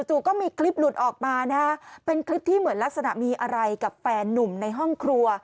ก็มีคลิปหลุดออกมานะฮะเป็นคลิปที่เหมือนลักษณะมีอะไรกับแฟนนุ่มในห้องครัว